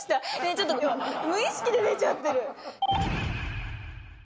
ちょっと無意識で出ちゃってる。